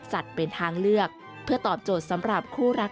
เป็นทางเลือกเพื่อตอบโจทย์สำหรับคู่รัก